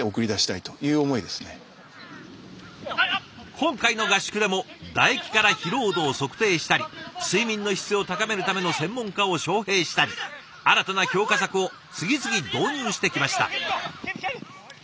今回の合宿でも唾液から疲労度を測定したり睡眠の質を高めるための専門家を招へいしたり新たな強化策を次々導入してきました。